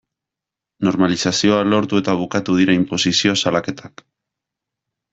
Normalizazioa lortu eta bukatu dira inposizio salaketak.